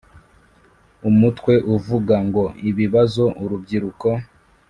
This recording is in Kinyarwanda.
umutwe uvuga ngo Ibibazo urubyiruko